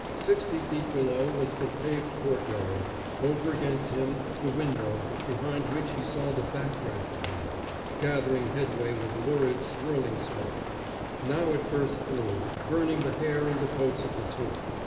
Sixty feet below was the paved courtyard; over against him the window, behind which he saw the back draft coming, gathering headway with lurid, swirling smoke. Now it burst through, burning the hair and the coats of the two.